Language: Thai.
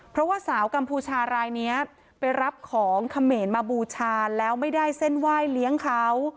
เพราะว่าสาวกัมพูชารายนี้ไปรับของเขมรมาบูชาแล้วไม่ได้เส้นไหว้เลี้ยงเขา